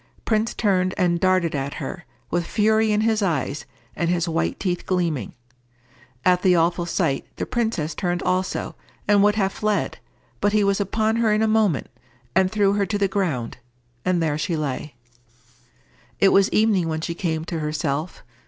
Prince turned and darted at her, with fury in his eyes, and his white teeth gleaming. At the awful sight the princess turned also, and would have fled, but he was upon her in a moment, and threw her to the ground, and there she lay. It was evening when she came to herself.